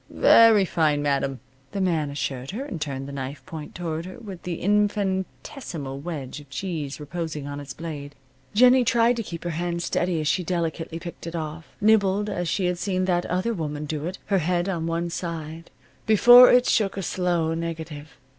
"Very fine, madam," the man assured her, and turned the knife point toward her, with the infinitesimal wedge of cheese reposing on its blade. Jennie tried to keep her hand steady as she delicately picked it off, nibbled as she had seen that other woman do it, her head on one side, before it shook a slow negative.